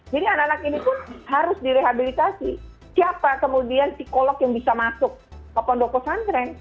jadi anak anak ini pun harus direhabilitasi siapa kemudian psikolog yang bisa masuk ke pondok posantren